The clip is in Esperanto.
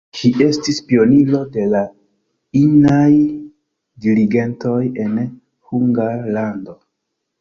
Ŝi estis pioniro de la inaj dirigentoj en Hungarlando.